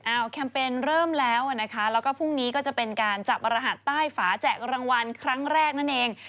แคมเปญเริ่มแล้วนะคะแล้วก็พรุ่งนี้ก็จะเป็นการจับรหัสใต้ฝาแจกรางวัลครั้งแรกนั่นเอง